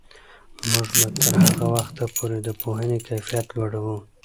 موږ به تر هغه وخته پورې د پوهنې کیفیت لوړوو.